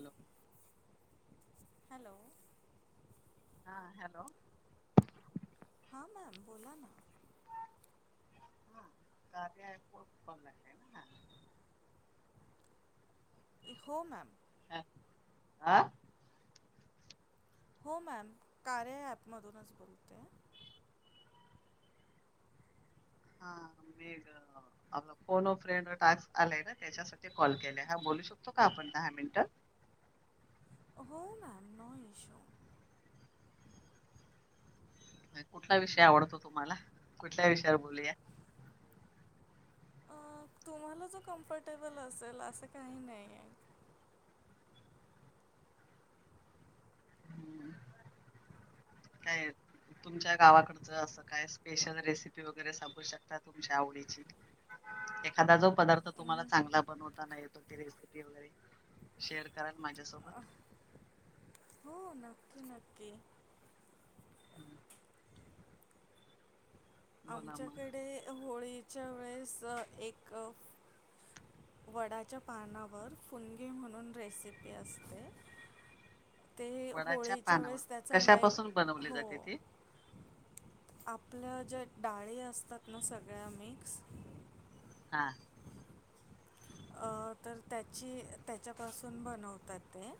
Hello. Hello. हा hello. हां ma'am बोला ना. हा, गाणे ऐकून बघाले ना. हो मॅम. आं, आह. हो मॅम, कार्य ॲपमधूनच बोलतेये. हा मेघ, अग फोन अ फ्रेंड टास्क आलाय ना त्याच्यासा ते कॉल केले हा बोलू शकतो का आपण दहा मिनिटं. हो मॅम, नो इश्यू. कुठला विषय आवडतो तुम्हाला? कुठल्या विषयावर बोलूया? अ तुम्हाला जो कम्फर्टेबल असेल, असं काही नाही ये. हम्म, [inaudible] [unintelligible] तुमच्या गावाकडचं असं काय स्पेशल रेसिपी वगैरे सांगु शकता तुमच्या आवडीची? एखादा जो पदार्थ तुम्हाला चांगला बनवताना येतो. रेसिपी वगैरे शेअर कराल माझ्यासोबत? अ हो नक्की नक्की हम्म. बोला मग आमच्याकडे होळीच्या वेळेस अ एक वडाच्या पानावर फुनगे म्हणून रेसिपी असते. ते वडाच्या होळीच्या पानावर, वेळेस त्याचा नाही कशापासून बनवले हो जाते ते? आपल्या ज्या डाळी असतात ना सगळ्या मिक्स हा. अ तर त्याची, त्यांच्यापासून बनवतात ते.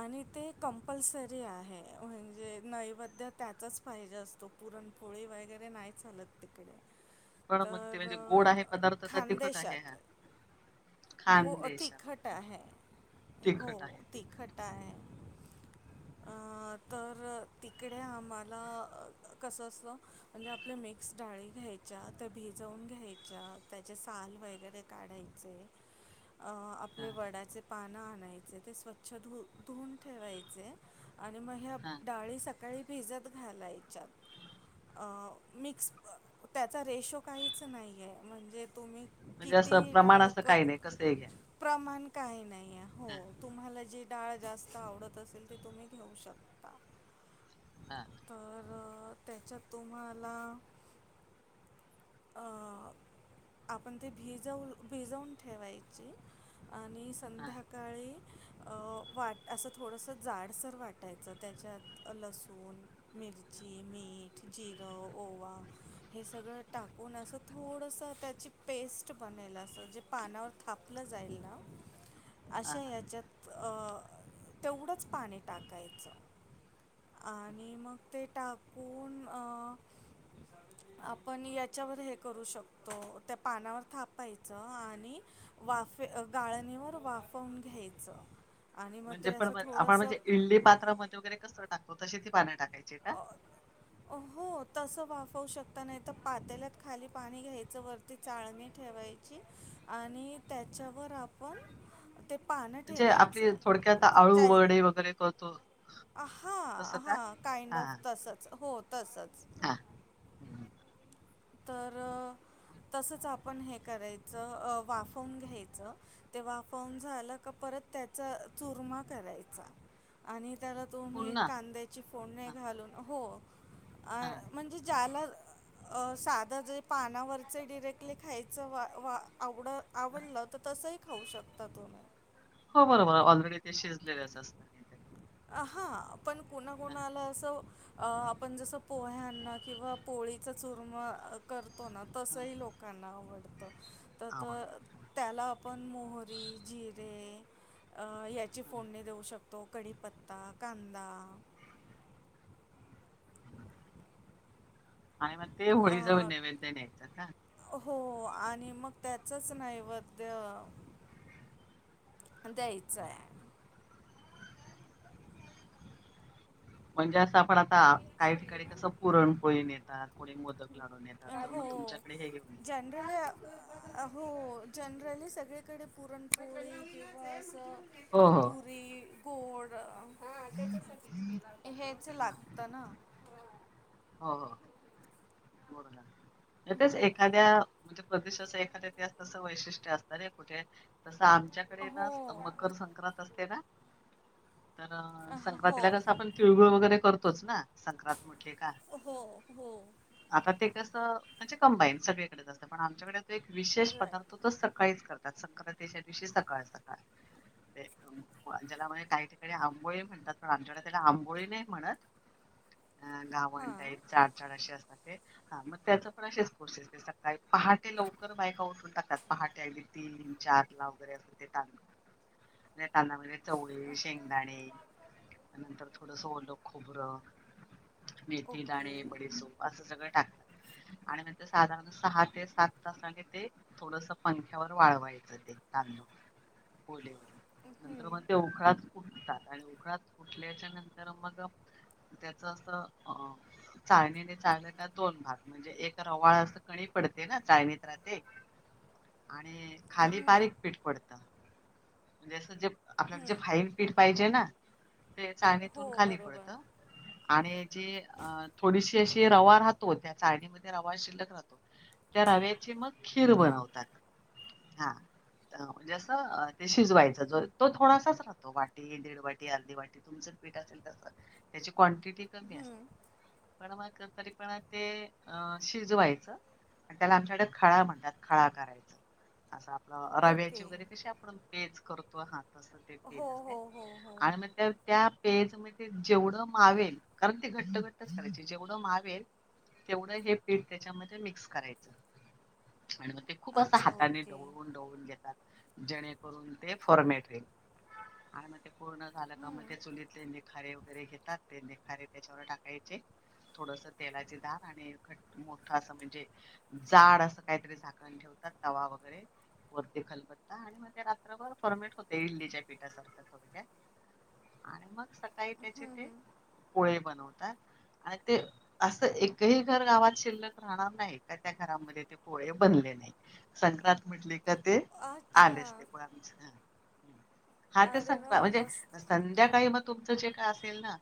आणि ते कंपल्सरी आहे म्हणजे नैवेद्य त्याचाच पाहिजे असतो. पुरणपोळी वगैरे नाही चालत तिकडे. [unintelligible] मग तर ते जे गोड अ, आहे पदार्थ का तिखट आहे? घो खानदेशात तिखट होते आहे. हो तिखट आहे तिखट आहे. [inaudible] अ तर तिकडे आम्हाला कसं असतं म्हणजे आपल्या मिक्स डाळी घ्यायच्या, त्या भिजवून घ्यायच्या, त्याचे साल वगैरे काढायचे अं हा आपले वडाचे पानं आणायचे. ते स्वच्छ धुून ठेवायचे. आणि मग ह्या हा डाळी सकाळी भिजत घालायच्या मिक्स त्याचा रेशो काहीच नाही आहे. म्हणजे तुम्ही म्हणजे कीती असं ही प्रमाण डाळ असं क काही नाही कसं ही घ्या प्रमाण काही नाही आहे. हा हो तुम्हाला जे डाळ जास्त आवडत असेल ते तुम्ही घेऊ शकता. हा. तर त्याच्यात तुम्हाला अ आपण ते भिजऊ भिजऊन ठेवायची आणि हा संध्याकाळी अ वाट असं थोडंसं जाडसर वाटायचं त्याच्यात लसूण मिरची, मीठ, जिरं, ओवा हे सगळं टाकून असं थोडस त्याची पेस्ट बनल असं जे पानावर थापलं जाईल ना हा अशा हा ह्याच्यात अ तेवढंच पाणी टाकायचं. आणि मग ते टाकून आ आपण याच्यावर हे करू शकतो त्या पानावर थापायचं आण णि वाफे गाळणीवर वाफवून घ्यायचं. आणि मग म्हणजे ते पण असं आपण थोडंसं म्हणजे इडली पात्रामध्ये वगैरे कसं टाकतो तशी ती पाण्यात टाकायची? का [unintelligible] हो तसं वाफवू शकता नाही तर पातेल्यात खाली पाणी घ्यायचं वरती चाळणी ठेवायची आणि त्याच्यावर आपण ते पानं म्हणजे आपली ठेवायचे थोडक्यात आळू वगडे वगैरे करतो. आहा तसं का हा काइंड हा ऑफ तसच हो तसच. हम् तर तसंच आपण हे करायचं वाफवून घ्यायचं. ते वाफवून झालं का परत त्याचा चुरमा करायचा. आणि त्याला तुम्ही पुन्हा कांद्याची फोडणे हा घालून हो. आ हा म्हणजे ज्याला अ साधं जे पानावरचे डिरेक्टली खायचं वा वा आवड आवडलं तर तसंही खाऊ शकता तुम्ही. हो बरोबर ऑल रेडी ते शिजलेलेच असतात. हा पण कोणा हा, कोणाला असं अ आपण जसं पोह्यांना किंवा पोळीचा चुरम करतो ना हा. तसही लोकांना आवडतं त त आवडतं हा, त्याला आपण मोहरी जिरे याची हा. फोडणी देऊ शकतो कढीपत्ता, कांदा. [inaudible] आणि मग ते होळी जवळ अ, नैवेद न्यायचा का? हो आणि मग त्याचच नैवैद्य द्यायचं आहे. म्हणजे असं आपण आता काही ठिकाणी कसं पुरण पोळीून येतात कोणी मोदक लाढू नेतात. तर हो मग तुमच्याकडे हे घेऊन हो जनरली सगळीकडे पुरणपोळी किंवा हो असं हो. पुरी गोड त्या हेच हा लाग तना हो एखाद्या प्रश एखाद्या ते अससं वैशिष्ट्य असत रे कुठे तसं आम मच्याकडे ना हो मकर संक्रांत असते ना? तर संक्रांतीला कस हो आपण तिळगुळ वगैरे करतोच ना संक्रांत म्हटले का. हो हो आता ते कसं म्हणजे कंबाईन सगळीकडे असतं पण आमच्याकडे त एक विशेष पदार्थ राईट तर सकाळीच करत संक्रांतीच्या दिवशी सकाळ सकाळ. ते ज्याला म्हणजे काही ठिकाणी आंबोळी म्हणतात पण आमच्याकड त्याला आंबोळी नाही म्हणत. अ गावण हां टाईप [unintelligible] पण असेच कोर्सेस सकाळी पहाटे लवकर बायका उठून टाकात पहाटे अगदी तीन चार ला वगैरे अस देतात म्हणजे चवळे शेंगदाणे नंतर थोडस ओलं खोबरं, मेथी ओके दाणे, बडेसो असं सगळं टाक आणि नंतर साधारण सहा ते सात तासाने ते थोडस पंख्यावर वाळवायचं. [unintelligible] नंतर हं, मग ते उकडात फुटतात आणि उकडात फुठल्याच्या नंतर मग त्याच अस अ चाळणी आणि चाळण्याचा दोन भाग म्हणजे एक तर वाळ असं कमी पडते ना चाळणीत राहते आणि खाली हं, बारीक पीठ पडतं. म्हणजे अस जे आपल्याला जे हं. फाईन पीड पाहिजे ना ते हो चाळणीतून खाली बरोबर पडतं. आणि हेचि अ थोडीशी अशी रवा राहतो त्या चाळनीमध्ये रवा शिल्लक राहतो त्या रव्याची मग खीर हां बनवतात हा म्हणजे अस ते शिजवायच जो तो थोडासाच राहतो वाटी दीड वाटी अर्धी वाटी तुमचं पीठ त्याची कॉन्टिटी कमी असते. हं, पण मग तरी पण ते अ शिजवायचं आणि त्याला आमच्याकड खळा म्हणतात खळा करायच असं आपल ओके रव्याची वगैरे कशी आपण पेज करतो हा तस हो हो हो हो आणि नंतर त्या पेज मध्ये जेवढं मावेल कारण ते घट्ट घट्टच करायचे जेवढं मावेल तेवढं हे पीठ त्याच्यामध्ये मिक्स करायचं आणि मग ते खूप असा अच्छा हाताने ओके ढवळून ढवळून घेतात जणे करून ते फॉर्मेट होईल आणि मग पूर्ण झालं का मग हं, ते चुलीतले निखारे वगैरे घेतात ते निखारे त्याच्यावर टाकायचे थोडस तेलाची धार आणि खट मोठ अस म्हणजे जाड असं काहीतरी झाका ठेवात तवा वगैरे वरती खलबत्ता आणि रात्रभर फर्मेट होते इडलीच्या पीठासारख थोडक्यात आणि मग नाही त्याचे हं, ते हं. पोळे बनवतात. आणि ते असं एकही घर गावात शिल्लक राहणार नाही का त्या घरामध्ये ते पोळे बनले नाही संक्रांत म्हटल की त्यात ते आलेच अच्छा कि मग हा तेच अरे वा संक्रांत म्हणजे मस्त संध्याकाळी मग तुमचं जे काय असेल ना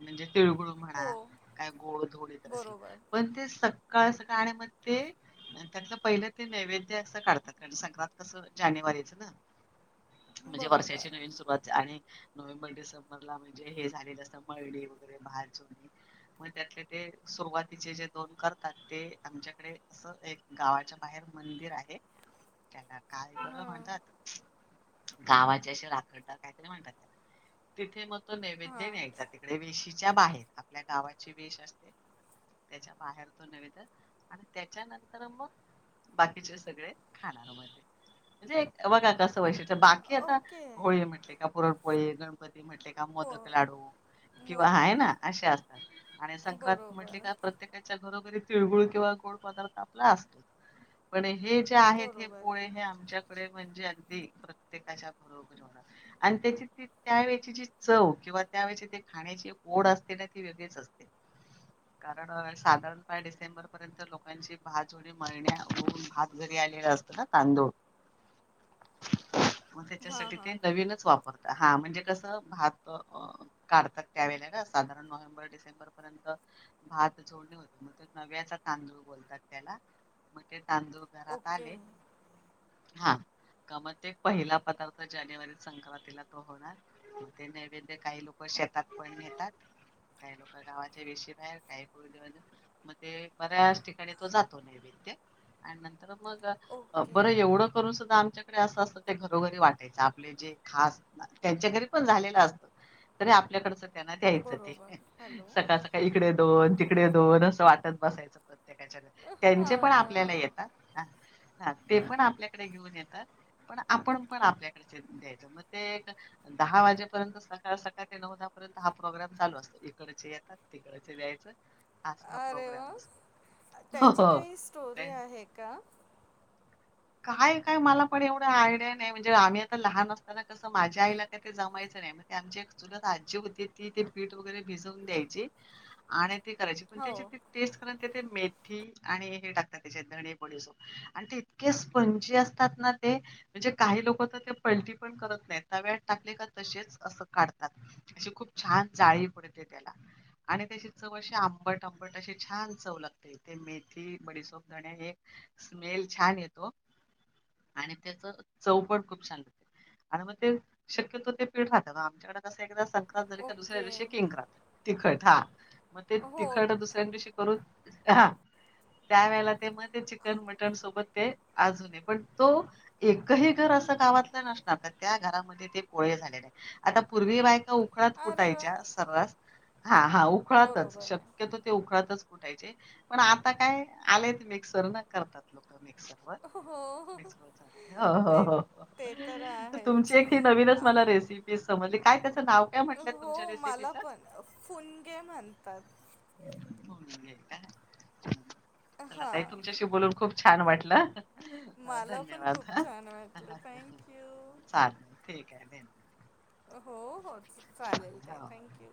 म्हणजे तिळगुळू हो म्हणा काय गोड धोड तर असेल बरोबर पण ते सकाळ सकाळी बनते त्यातलं पहिलं ते नैवेद्य असं काढतात कार संक्रांत कसं जानेवारीत म्हणजे वर्षाची बरोबर नवीन सुरुवात आणि नोव्हेंबर डिसेंबरला म्हणजे हे झालेलं असत मळणी वगैरे मग त्यातले ते सुरुवातीचे जे दोन करतात ते आमच्याकडे असं एक गावाच्या बाहेर मंदिर आहे त्याला काय बरं हां म्हणतात गावाचे असे राखनदार काहीतरी म्हणतात त्याला तिथे मग तो नैवेद्य हां न्यायचा तिकडे विशीच्या बाहेर आपल्या गावाची विश असते त्याच्या बाहेर तो नैवेद्य आणि त्याच्या नंतर मग बाकीचे सगळे खाणार म्हणजे बघा कस वैशिष्ट बाकी आता ओके होळी म्हटले का पुरणपोळी गणपती म्हटले का पो मोदक लाडू किंवा आहे ना मोदक असे असतात आणि संक्रांत म्हटली बरोबर का प्रत्येका च्या घरोघरी तिळगुळ किंवा गोड पदार्थ आपला असतो. पण हे जे आहेत हे बरोबर पोळे हे आहे आमच्या म्हणजे अगदी प्रत्येकाच्या बरोबर होणार आणि त्याचीच त्यावेेळची जी चव किंवा त्यावेेळेची ते खाण्याची ओढ असते ना ती वेगळीच असते. कारण साधारणता डिसेंबर पर्यंत लोकांची भाजुडी मळण्यावरून भात घरी आलेला असत ना तांदूळ मग हां त्याच्यासाठी हां ते नवीनच वापर हा म्हणजे कस भात काढतात त्या वळेलाना साधारण नोव्हेंबर डिसेंबर बर पर्यंत भात जोडणी मग तो नव्याचा तांदूळ बोलतात त्याला मग ते तांदूळ घरात ओके आले हा का म ते पहिला पदार्थ जानेवारीत संक्रांतीला तो होणार ते नैवेद्य काही लोक शेतात पण येतात. काय लोक गावाच्या वेशीी बाहेर काय प देऊ. म ते बऱ्याच ठिकाणी तो जातो नैवेद्य आणि नंतर मग. ओके कर सुद्धा आमच्याकडे अस अस ते घरोघरी वाटयचं आपले. ते खास त्यांच्या घरी पण झालेला असतं ते आपल्या. त्यांना द्यायच ते बरोबर हॅलो सकाळ सकाळ. का इकडे दोन तिकडे दोन असं वाटत बसायचं प्रत्येकाच्या त्यांचे हां पण हां आपल्याला हां येतात. ह हा ते पण आपल्याकडे घेऊन येतात पण आपण पण आपल्याकडे द्यायचं मग ते. दहा वाजेपर्यंत सकाळ सकाळ ते नऊ दहा पर्यंत हा प्रोग्राम चालू असतो इकडचे. तिकड दयच असा हा अरे वा प्रोग्रामतो. हे का. काय काय मला पण एवढं आयडिया नाही म्हणजे आम्ही आता लहान असताना कसं माझ्या आईला काय ते जमायचं नाही. आमची एक चुलत आजी होती ती ते पीठ वगैरे भिजवून द्यायची. आणि ते करायची पण हो त्याची. टेस्ट कर तेथ ते मेथी आणि हे टाकतात त्याचे धणे बडीशेप आणि ते स्पंजी असतात ना ते. म्हणजे काही लोक तर ते पलटी पण करत नाही तव्यात टाकले का तसेच असं काढतात. अशी खूप छान जाळी पडते त्याला. आणि त्याची चवशी आंबट आंबट अ छान चव लागते ते. मेथी बडीसोप धने एक स्मेल छान येतो. आणि त्याचं चौपट खूप चांगलं. आणि मग ते शक्यतो ते पीठ राहतना आमच्याकडे कस एकदा का दुसऱ्या ओके दिवशी किंात तिखट हा मग ते हो तिखटस. करून त्या वेळेला ते मग ते चिकन मटन सोबत ते. अजूने पण तो. एकही घर असं गावातलं नसणार तर त्या घरामध्ये ते पोळे झालेले आहे. आता पूर्वी बाय का. उखळात अरे वा कुठायच्या सर्रास हा हा उखळातच बरोबर शक्यतो ते उखळातच. कुठायचे पण आता काय आलेत मिक्सर न करतात लोक मिक्सर व हो हो. ते ते तर तुमची आहेच एक ही नवीनच मला आम रेसिपी. समजली काय त्याचं नाव काय म्हटलंय तुमच्या हो मला रेसिपीचं. पण फुनगे म्हणतात. का चलाई हां तुमच्याशी बोलून खूप छान वाटलं. मला पण धन्यवाद खूप छान वाटलं थँक्यू चालेल ठीक आहे धन्य. हो हो चालेल ते हो हो. Thank you.